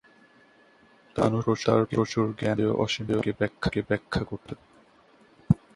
মানুষ তার প্রচুর জ্ঞান সত্ত্বেও অসীমকে ব্যাখ্যা করতে পারছে না।